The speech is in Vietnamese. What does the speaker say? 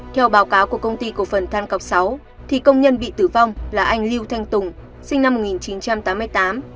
theo báo cáo của công ty cổ phần than cọc sáu thì công nhân bị tử vong là anh lưu thanh tùng sinh năm một nghìn chín trăm tám mươi tám